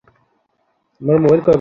দানব মানে সে পাহাড়কে বুঝিয়েছে।